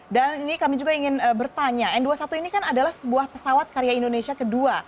dan ini kami juga ingin bertanya n dua puluh satu ini kan adalah sebuah pesawat karya indonesia kedua